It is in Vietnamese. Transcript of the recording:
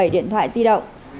một mươi bảy điện thoại di động